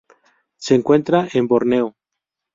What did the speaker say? Se encuentran en Borneo.